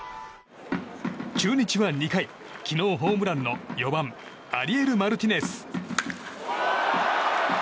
中日は２回昨日ホームランの４番、アリエル・マルティネス。